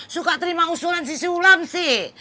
suka terima usulan si sulam sih